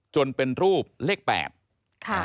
จนเป็นรูปเลข๘